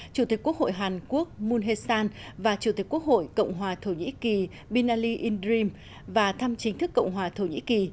chủ tịch quốc hội hàn quốc moon hee san và chủ tịch quốc hội cộng hòa thổ nhĩ kỳ binali indrim và thăm chính thức cộng hòa thổ nhĩ kỳ